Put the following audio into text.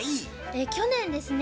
去年ですね